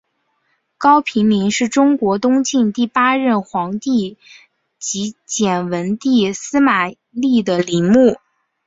高平陵是中国东晋第八任皇帝晋简文帝司马昱的陵墓。